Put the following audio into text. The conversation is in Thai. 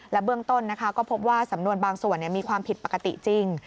เบื้องต้นก็พบว่าสำนวนบางส่วนมีความผิดปกติจริง